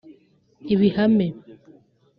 Ibihame